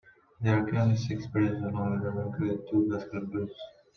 There are currently six bridges along the river, including two bascule bridges.